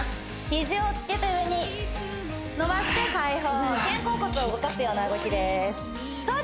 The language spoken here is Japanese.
ヒジをつけて上に伸ばして解放肩甲骨を動かすような動きですうわ